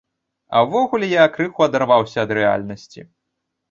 А ўвогуле я крыху адарваўся ад рэальнасці.